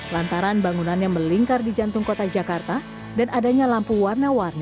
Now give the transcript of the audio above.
lantaran bangunannya melingkar di jantung kota jakarta dan adanya lampu warna warni